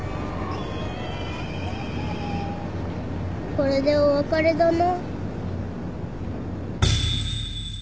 これでお別れだな。